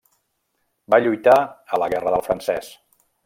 Va lluitar a la Guerra del Francès.